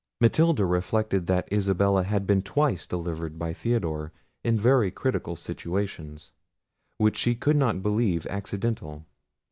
Matilda reflected that Isabella had been twice delivered by Theodore in very critical situations, which she could not believe accidental.